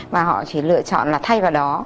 và họ chỉ lựa chọn thay vào đó